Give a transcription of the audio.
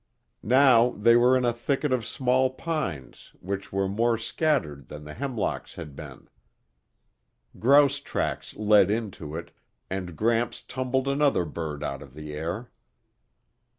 Now they were in a thicket of small pines which were more scattered than the hemlocks had been. Grouse tracks led into it, and Gramps tumbled another bird out of the air.